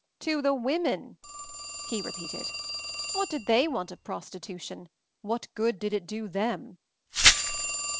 "To the women," he repeated. "What did they want of prostitution? What good did it do them?"